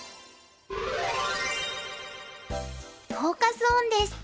フォーカス・オンです。